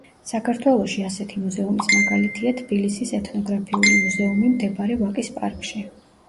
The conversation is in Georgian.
საქართველოში ასეთი მუზეუმის მაგალითია თბილისის ეთნოგრაფიული მუზეუმი მდებარე ვაკის პარკში.